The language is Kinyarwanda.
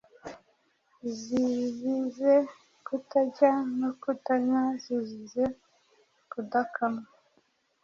zizize kutarya no kutanywa, zizize kudakamwa,